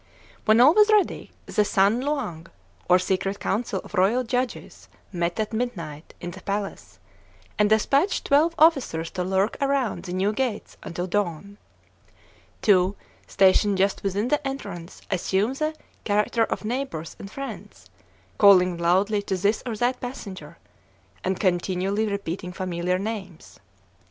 When all was ready, the San Luang, or secret council of Royal Judges, met at midnight in the palace, and despatched twelve officers to lurk around the new gates until dawn. Two, stationed just within the entrance, assume the character of neighbors and friends, calling loudly to this or that passenger, and continually repeating familiar names.